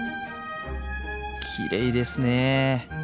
きれいですねえ。